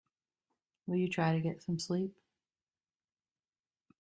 Will you try to get some sleep?